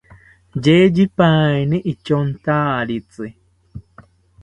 Yeyipaeni ityontaritzi